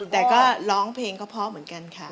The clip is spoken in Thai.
แต่ก็ร้องเพลงก็เพราะเหมือนกันค่ะ